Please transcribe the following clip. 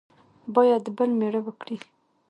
باید بل مېړه وکړي.